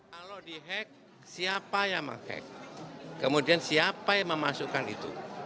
kalau di hack siapa yang mengeks kemudian siapa yang memasukkan itu